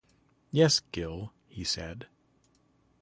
"Yes, Gill," he said.